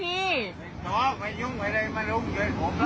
ตำรวจเมาด้วยค่ะ